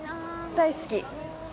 大好き！